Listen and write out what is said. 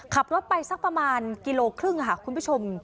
ขับรถไปสักประมาณกิโลครึ่งค่ะคุณผู้ชม